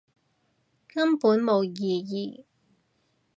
根本冇意義